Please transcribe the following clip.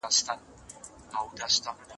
ستا يې په څه که لېونی شم بيا راونه خاندې